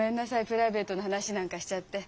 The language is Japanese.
プライベートな話なんかしちゃって。